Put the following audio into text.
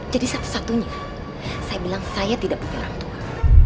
jadi satu satunya saya bilang saya tidak punya orang tua